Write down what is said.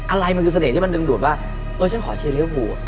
อะไรมันคือเสน่หที่มันดึงดูดว่าเออฉันขอเชียร์ลิวภู